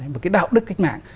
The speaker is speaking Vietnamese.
và cái đạo đức cách mạng